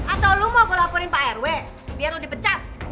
atau lo mau laporin pak rw biar lo dipecat